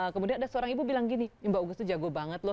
kemudian ada seorang ibu bilang gini mbak ugus itu jago banget loh